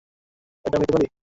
এটাও নিতে পারি?